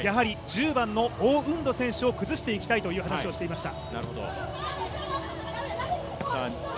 １０番のオウ・ウンロ選手を崩していきたいという話をしていました。